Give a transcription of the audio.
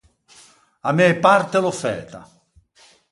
A mæ parte l’ò fæta.